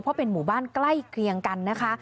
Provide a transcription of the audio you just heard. เพราะเป็นหมู่บ้านใกล้เคียงกันนะคะ